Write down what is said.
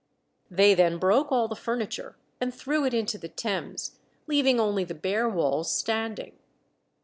They then broke all the furniture and threw it into the Thames, leaving only the bare walls standing.